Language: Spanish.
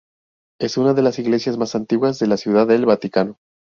Es una de las iglesias más antiguas de la Ciudad del Vaticano.